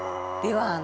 では